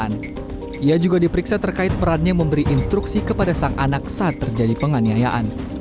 dia juga diperiksa terkait perannya memberi instruksi kepada sang anak saat terjadi penganiayaan